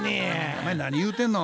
お前何言うてんの？